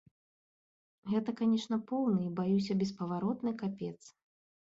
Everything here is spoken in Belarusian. Гэта, канечне, поўны і, баюся, беспаваротны капец.